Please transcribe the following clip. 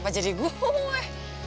kenapa jadi gue